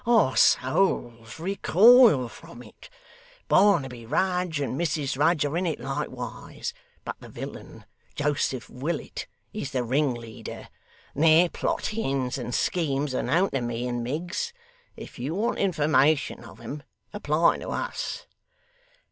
Our souls recoil from it. Barnaby Rudge and Mrs Rudge are in it likewise; but the villain, Joseph Willet, is the ringleader. Their plottings and schemes are known to me and Miggs. If you want information of 'em, apply to us.